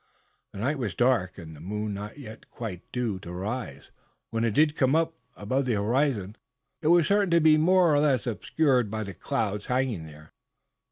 The night was dark, and the moon not yet quite due to rise. When it did come up above the horizon it was certain to be more or less obscured by the clouds hanging there.